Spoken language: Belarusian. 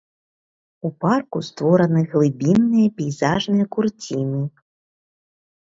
У парку створаны глыбінныя пейзажныя курціны.